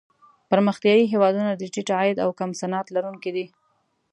پرمختیايي هېوادونه د ټیټ عاید او کم صنعت لرونکي دي.